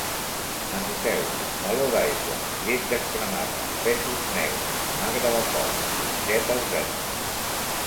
Anoteu: meló d'aigua, llet descremada, fesols negres, magre de porc, mongetes verdes